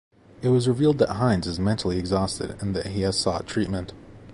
It was revealed that Hinds is "mentally exhausted" and that he has sought treatment.